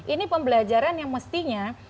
ini pembelajaran yang mestinya